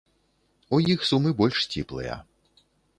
У іх сумы больш сціплыя.